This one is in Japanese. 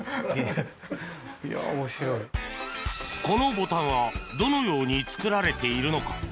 このボタンはどのように作られているのか。